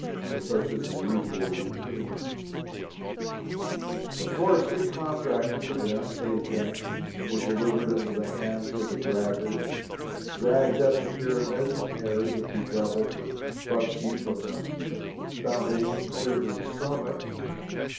For such is the usual routine. Of course we contracted with them, paid them, were delivered into the hands of the draggers, dragged up the Pyramids, and harried and be deviled for bucksheesh from the foundation clear to the summit.